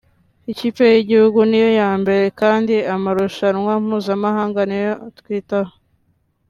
Ikipe y’igihugu niyo ya mbere kandi amarushanwa mpuzamahanga niyo twitaho